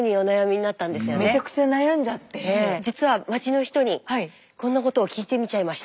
実は町の人にこんなことを聞いてみちゃいました。